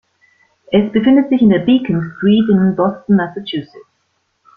Es befindet sich in der Beacon Street in Boston, Massachusetts.